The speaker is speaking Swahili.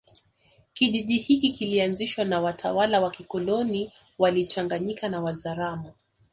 Kijiji hiki kilianzishwa na watalawa wa kikoloni walichanganyika na Wazaramo